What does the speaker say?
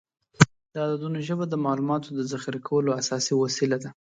د عددونو ژبه د معلوماتو د ذخیره کولو اساسي وسیله ده.